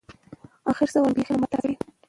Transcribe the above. اخر څه وکړم بيخي مو مرګ ته راضي کړى يم.